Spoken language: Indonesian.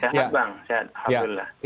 sehat bang sehat alhamdulillah